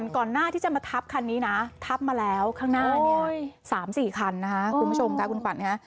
ก่อนหน้าที่จะมาทับคันนี้นะทับมาแล้วข้างหน้าเนี่ย๓๔คันนะคะคุณผู้ชมค่ะคุณขวัญค่ะ